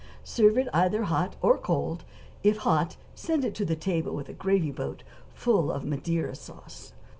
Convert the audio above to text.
Serve it either hot or cold; if hot send it to the table with a gravy boat full of Madeira sauce.